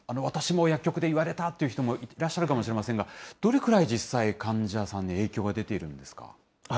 私も薬局で言われたっていう人もいらっしゃるかもしれませんが、どれくらい実際、患者さんに影響が出ているんですか。